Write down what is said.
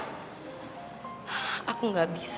tapi aku gak tau mau gimana lagi mas